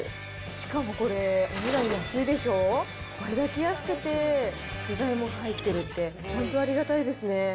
しかもこれ、お値段安いでしょう、これだけ安くて具材も入ってるって、本当、ありがたいですね。